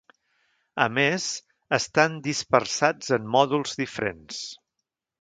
A més, estan dispersats en mòduls diferents.